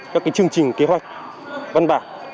các chương trình kế hoạch văn bản